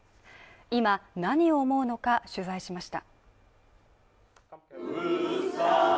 今何を思うのか取材しました。